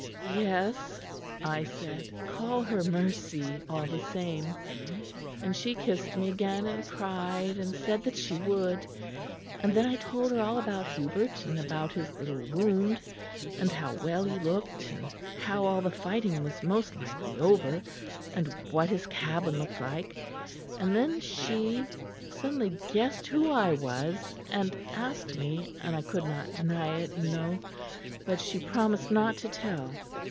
'Yes,' I said, 'call her Mercy all the same,' and she kissed me again, and cried, and said that she would. And then I told her all about Hubert; and about his little wound; and how well he looked; and how all the fighting was most likely over; and what his cabin looked like. And then she suddenly guessed who I was, and asked me; and I could not deny it, you know; but she promised not to tell.